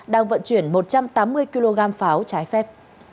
đang vận chuyển một trăm tám mươi kg pháo trái phép